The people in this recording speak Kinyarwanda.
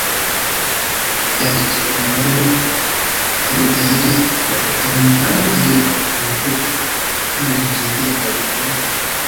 yandikira umugore we Abigayili ko abakoloni ari ibihugu kandi byigenga bikwiye